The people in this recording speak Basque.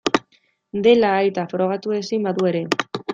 Dela aita, frogatu ezin badu ere.